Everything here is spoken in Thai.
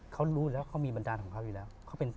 เค้ารู้แล้วเค้ามีบันดาลของเค้าอยู่แล้วเค้าเป็น